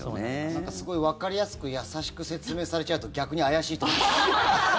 なんかすごいわかりやすく優しく説明されちゃうと逆に怪しいと思っちゃう。